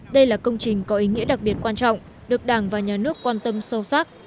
đây là công trình có ý nghĩa đặc biệt quan trọng được đảng và nhà nước quan tâm sâu sắc